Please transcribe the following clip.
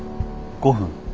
５分。